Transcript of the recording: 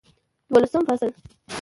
دولسم فصل